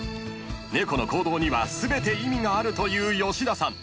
［猫の行動には全て意味があるという吉田さん］